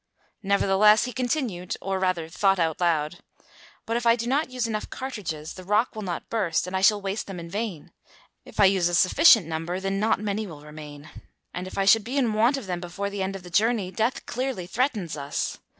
Nevertheless he continued, or rather thought aloud: "But if I do not use enough cartridges the rock will not burst and I shall waste them in vain; if I use a sufficient number, then not many will remain. And if I should be in want of them before the end of the journey, death clearly threatens us.